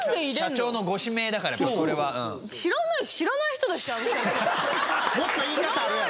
社長のご指名だから知らないしもっと言い方あるやろ